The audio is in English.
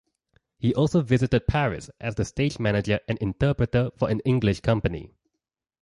He also visited Paris as the stage manager and interpreter for an English company.